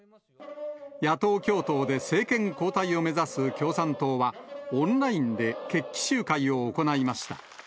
野党共闘で政権交代を目指す共産党は、オンラインで決起集会を行いました。